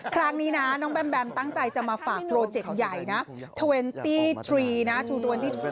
ครั้งนี้น้องแบมแบมตั้งใจจะมาฝากโปรเจ็คใหญ่๒๓๒๔นะครับ